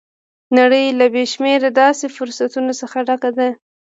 نړۍ له بې شمېره داسې فرصتونو څخه ډکه ده